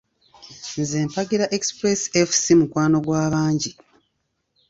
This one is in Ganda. Nze mpagira Express Fc mukwano gw’abangi.